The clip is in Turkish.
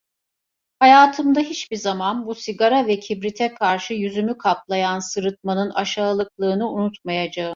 Hayatımda hiçbir zaman, bu sigara ve kibrite karşı yüzümü kaplayan sırıtmanın aşağılıklığını unutmayacağım.